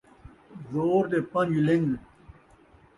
زور دے پن٘ج لن٘ڳ